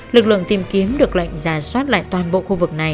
lực lượng tìm kiếm được lệnh giả soát lại toàn bộ khu vực này